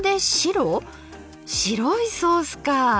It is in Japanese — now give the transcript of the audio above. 白いソースか。